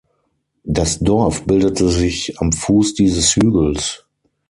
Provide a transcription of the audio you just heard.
Das Dorf bildete sich am Fuß dieses Hügels.